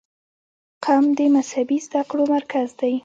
قم د مذهبي زده کړو مرکز دی.